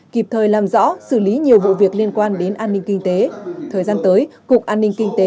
kịp thời làm rõ xử lý nhiều vụ việc liên quan đến an ninh kinh tế thời gian tới cục an ninh kinh tế